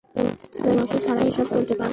তোমাকে ছাড়াই এসব করতে পারতাম।